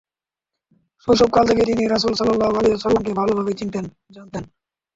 শৈশবকাল থেকেই তিনি রাসূল সাল্লাল্লাহু আলাইহি ওয়াসাল্লাম-কে ভাল ভাবেই চিনতেন-জানতেন।